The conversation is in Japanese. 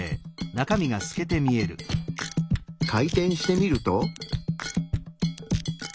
回転してみると。